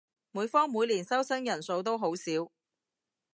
每科每年收生人數都好少